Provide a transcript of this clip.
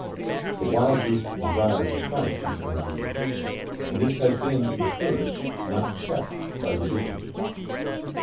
The wild beast desire to fight is one of these, and this has been encouraged, not checked, by religion....